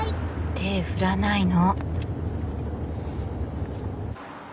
手振らないの。